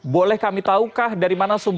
boleh kami tahukah dari mana sumber